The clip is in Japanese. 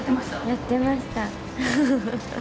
やってました。